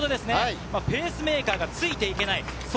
ペースメーカーがついていけない。